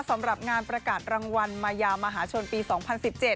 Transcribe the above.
สำหรับงานประกาศรางวัลมายามหาชนปีสองพันสิบเจ็ด